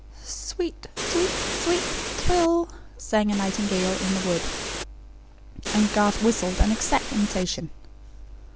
"Sweet, sweet, sweet thrill," sang a nightingale in the wood. And Garth whistled an exact imitation.